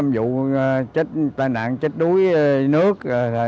bốn năm vụ chết tai nạn chết đuối nước